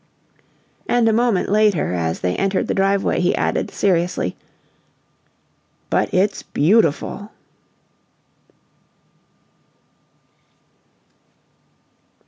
And a moment later, as they entered the driveway, he added, seriously: "But it's beautiful!"